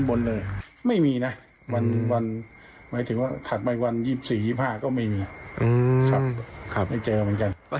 ก็มันก็ส่วนหนึ่งก็คิดถึงคุณย่าเหมือนกันนะครับว่าท่านอาจจะมาจริงก็ได้